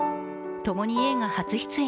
共に映画初出演。